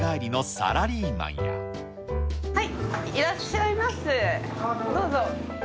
いらっしゃいませ、どうぞ。